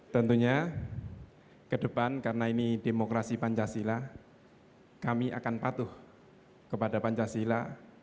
tentunya ke depan karena ini demokrasi pancasila kami akan patuh kepada pancasila